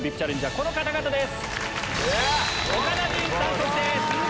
この方々です！